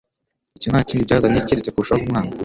icyo nta kindi byazanye keretse kurushaho kumwanga.